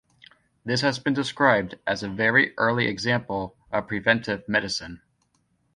This has been described as a very early example of preventive medicine.